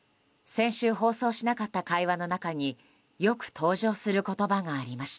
先週、放送しなかった会話の中によく登場する言葉がありました。